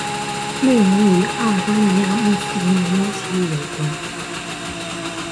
内容与阿尔巴尼亚穆斯林农民起义有关。